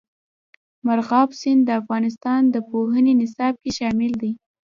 مورغاب سیند د افغانستان د پوهنې نصاب کې شامل دی.